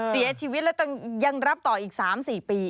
เสียชีวิตแล้วยังรับต่ออีก๓๔ปี